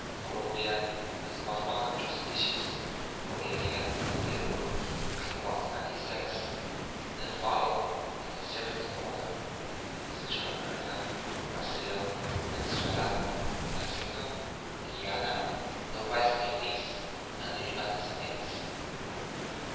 Columbia has about one hundred species; Bolivia and Peru claim about ninety six; then follow, in consecutive order, Central America, Brazil, Venezuela, Mexico, Guiana, the West Indies, and the United States.